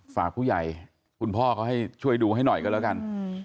ฝากผู้ใหญ่คุณพ่อเขาให้ช่วยดูให้หน่อยก็แล้วกัน